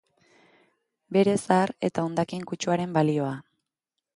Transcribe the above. Bere zahar eta hondakin kutsuaren balioa.